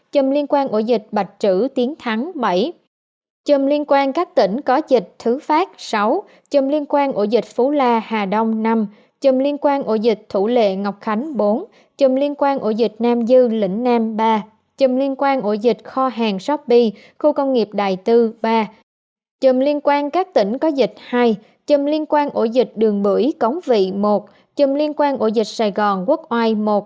bảy chồng liên quan ổ dịch bạch trữ tiến thắng bảy chồng liên quan các tỉnh có dịch thứ phát sáu chồng liên quan ổ dịch phú la hà đông năm chồng liên quan ổ dịch thủ lệ ngọc khánh bốn chồng liên quan ổ dịch nam dư lĩnh nam ba chồng liên quan ổ dịch kho hàng sóc bi khu công nghiệp đài tư ba chồng liên quan các tỉnh có dịch hai chồng liên quan ổ dịch đường bưởi cống vị một chồng liên quan ổ dịch sài gòn quốc oai một